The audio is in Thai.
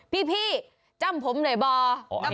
พี่จำผมเลยหรือเปล่า